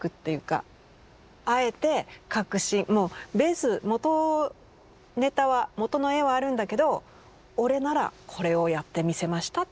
あえて描くしもうベースもとネタはもとの絵はあるんだけど俺ならこれをやってみせましたっていうことを。